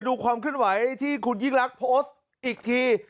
ดูความเคลื่อนไหวที่คุณยิ่งลักษณ์โพสต์อีกที